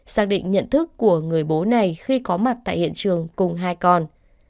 xác định nhận thức của người bố này khi có mặt tại hiện trường cùng hai con